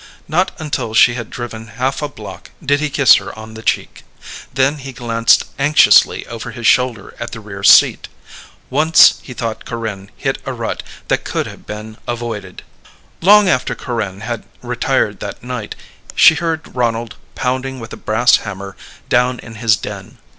Not until she had driven half a block did he kiss her on the cheek. Then he glanced anxiously over his shoulder at the rear seat. Once he thought Corinne hit a rut that could have been avoided. Long after Corinne had retired that night she heard Ronald pounding with a brass hammer down in his den.